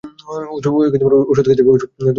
ওষুধ খেতে হবে।